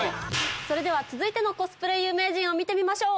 それでは続いてのコスプレ有名人見てみましょう。